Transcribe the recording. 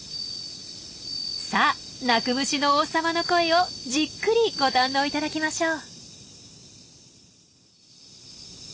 さあ鳴く虫の王様の声をじっくりご堪能いただきましょう！